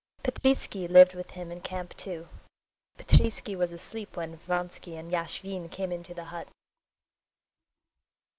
Petritsky lived with him in camp too. Petritsky was asleep when Vronsky and Yashvin came into the hut.